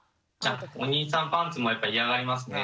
お兄さんパンツもやっぱり嫌がりますね。